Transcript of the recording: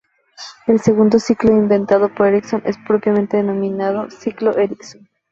El segundo ciclo inventado por Ericsson es el propiamente denominado "Ciclo Ericsson".